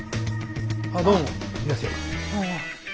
あっどうもいらっしゃい。